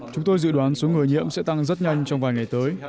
chúng tôi dự đoán số người nhiễm sẽ tăng rất nhanh trong vài ngày tới